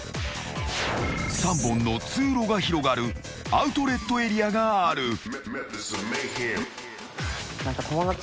［３本の通路が広がるアウトレットエリアがある］